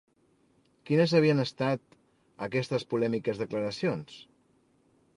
Quines havien estat aquestes polèmiques declaracions?